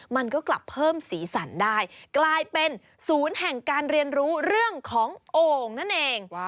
มันก็กลับเพิ่มสีสันได้กลายเป็นศูนย์แห่งการเรียนรู้เรื่องของโอ่งนั่นเอง